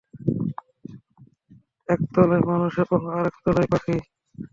একতলায় মানুষ এবং আরেক তলায় পাখি।